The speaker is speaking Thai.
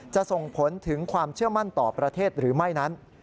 ส่งผลถึงความเชื่อมั่นต่อประเทศหรือไม่นั้น